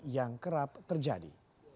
yang kerap terjadi